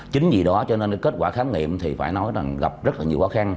chính vì đó cho nên kết quả khám nghiệm thì phải nói là gặp rất là nhiều khó khăn